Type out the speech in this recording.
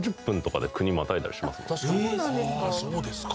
そうなんですか？